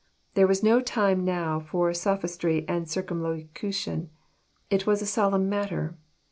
'' There was no time now for sophistry and circumlocution. It was a solemn matter.